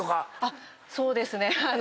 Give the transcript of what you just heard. そうですね。